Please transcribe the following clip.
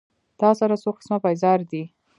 تا سره څو قسمه پېزار دي